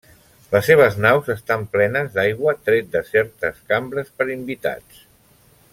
Les seves naus estan plenes d'aigua tret de certes cambres per invitats.